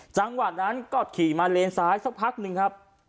จังหวะนั้นก็ขี่มาเลนซ้ายสักพักหนึ่งครับ